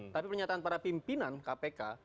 tapi pernyataan para pimpinan kpk